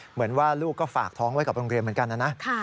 เหมือนว่าลูกก็ฝากท้องไว้กับโรงเรียนเหมือนกันนะนะ